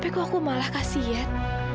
aku merasa keras dan sangat marah